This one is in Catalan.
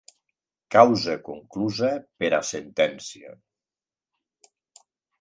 Causa conclusa per a sentència.